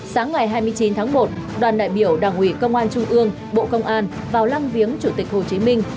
sáng ngày hai mươi chín tháng một đoàn đại biểu đảng ủy công an trung ương bộ công an vào lăng viếng chủ tịch hồ chí minh